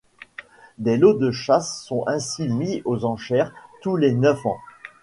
Des lots de chasse sont ainsi mis aux enchères tous les neuf ans.